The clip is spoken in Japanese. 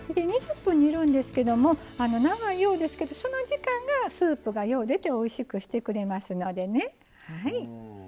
２０分煮るんですけども長いようですけどその時間がスープがよう出ておいしくしてくれますのでね。